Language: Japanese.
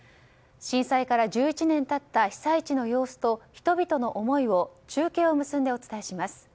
震災から１１年経った被災地の様子と人々の思いを中継を結んでお伝えします。